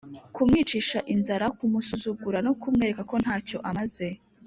kumwicisha inzara, kumusuzugura no kumwereka ko ntacyo amaze